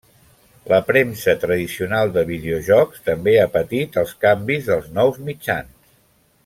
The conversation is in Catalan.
La premsa tradicional de videojocs també ha patit els canvis dels nous mitjans.